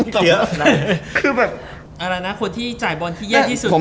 เจอนั่ง